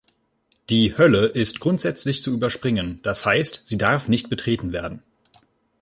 Die "Hölle" ist grundsätzlich zu überspringen, das heißt, sie darf nicht betreten werden.